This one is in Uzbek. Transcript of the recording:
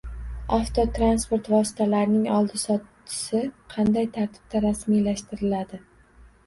Avtotransport vositalarining oldi-sottisi qanday tartibda rasmiylashtiriladi?